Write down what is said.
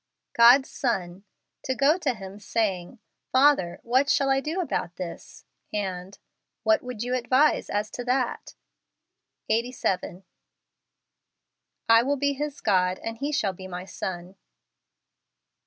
11 18. God's son ! To go to Sim , saying, " Father, what shall I do about this ? v and, " What would you advise as to that ?" Eighty Seven. " 1 will be his God , and he shall be my son."